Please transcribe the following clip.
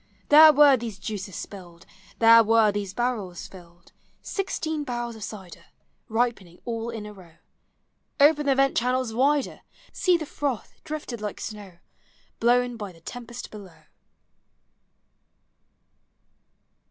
There were these juices spilled; There were these barrels tilled; Sixteen barrels of cider Ripening all in a row ! Open the vent channels wider! See the froth, drifted like snow, Blown by the tempest below